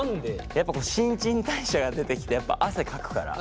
やっぱ新陳代謝が出てきてやっぱ汗かくから。